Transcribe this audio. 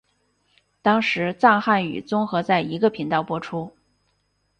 当时藏汉语综合在一个频道播出。